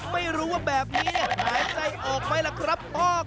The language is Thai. ไม่รู้ว่าแบบนี้หายใจออกไหมล่ะครับพ่อ